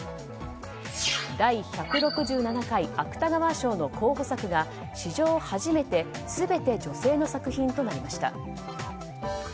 第１６７回芥川賞の候補作が史上初めて全て女性の作品となりました。